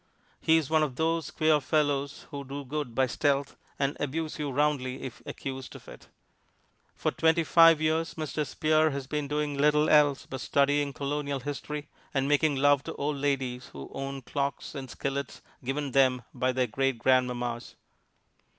He is one of those queer fellows who do good by stealth and abuse you roundly if accused of it. For twenty five years Mr. Spear has been doing little else but studying Colonial history, and making love to old ladies who own clocks and skillets given them by their great grandmammas.